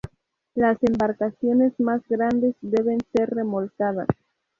Las embarcaciones más grandes deben ser remolcadas.